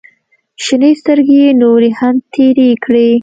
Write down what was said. شنې سترګې يې نورې هم تېرې کړې.